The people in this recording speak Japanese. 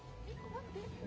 待って。